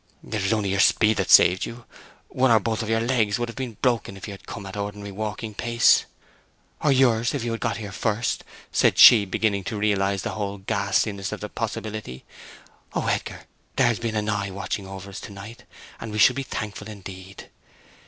"It was only your speed that saved you! One or both of your legs would have been broken if you had come at ordinary walking pace." "Or yours, if you had got here first," said she, beginning to realize the whole ghastliness of the possibility. "Oh, Edgar, there has been an Eye watching over us to night, and we should be thankful indeed!"